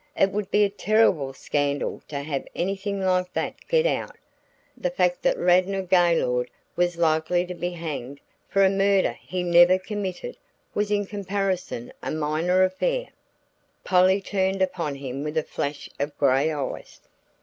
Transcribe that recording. "It would be a terrible scandal to have anything like that get out. The fact that Radnor Gaylord was likely to be hanged for a murder he never committed, was in comparison a minor affair." Polly turned upon him with a flash of gray eyes.